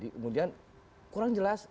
kemudian kurang jelas